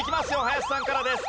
林さんからです。